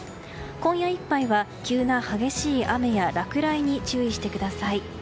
今夜いっぱいは急な激しい雨や落雷に注意してください。